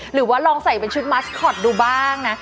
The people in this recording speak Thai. หรือว่าลองใส่เป็นชุดมัสคอตดูบ้างนะ